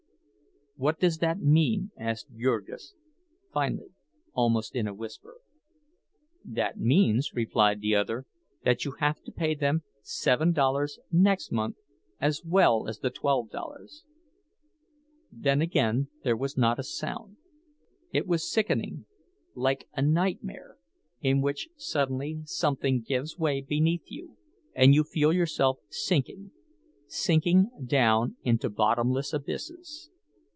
"What does that mean?" asked Jurgis finally, almost in a whisper. "That means," replied the other, "that you have to pay them seven dollars next month, as well as the twelve dollars." Then again there was not a sound. It was sickening, like a nightmare, in which suddenly something gives way beneath you, and you feel yourself sinking, sinking, down into bottomless abysses.